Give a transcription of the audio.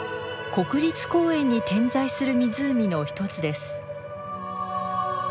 国立公園に点在する湖の一つです。